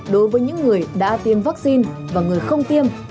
đối với những người đã tiêm vaccine và người không tiêm